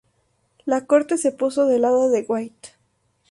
La corte se puso del lado de White..